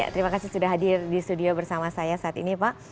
terima kasih sudah hadir di studio bersama saya saat ini pak